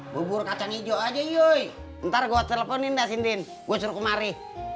bubur kacang hijau aja yoi ntar gua teleponin dah sintin gue suruh kemari